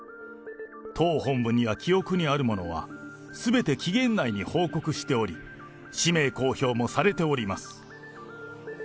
党本部には記憶にあるものは、すべて期限内に報告しており、氏名公表もされております。